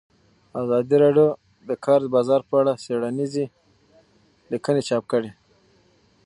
ازادي راډیو د د کار بازار په اړه څېړنیزې لیکنې چاپ کړي.